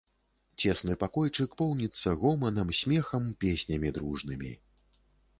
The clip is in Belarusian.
Цесны пакойчык поўніцца гоманам, смехам, песнямі дружнымі.